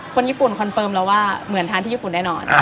คนญี่ปุ่นคอนเฟิร์มแล้วว่าเหมือนทานที่ญี่ปุ่นแน่นอน